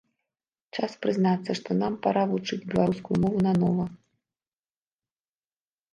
Час прызнацца, што нам пара вучыць беларускую мову нанова.